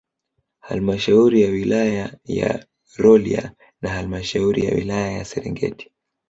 Halmashauri ya Wilaya ya Rolya na Halmashauri ya wilaya ya Serengeti